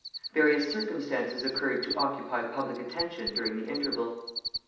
Various circumstances occurred to occupy public attention during the interval.